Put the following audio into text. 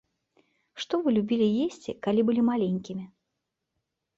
Што вы любілі есці, калі былі маленькімі?